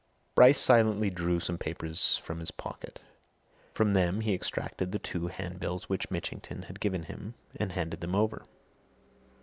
Bryce silently drew some papers from his pocket. From them he extracted the two handbills which Mitchington had given him and handed them over.